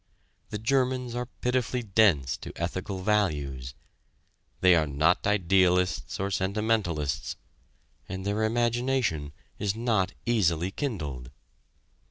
The Germans are pitifully dense to ethical values. They are not idealists or sentimentalists, and their imagination is not easily kindled.